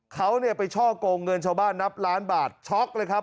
เขาเนี่ยไปช่อกงเงินชาวบ้านนับล้านบาทช็อกเลยครับ